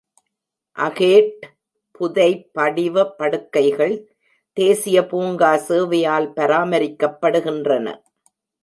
Agate புதைபடிவ படுக்கைகள் தேசிய பூங்கா சேவையால் பராமரிக்கப்படுகின்றன.